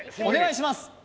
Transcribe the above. お願いします！